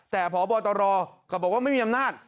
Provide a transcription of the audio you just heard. แต่พบตรก็บอกว่าไม่มีอำนาจ